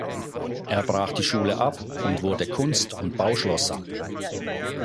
Er brach die Schule ab und wurde Kunst- und Bauschlosser.